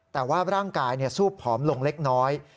แต่ว่าร่างกายสูบผอมลงเล็กน้อย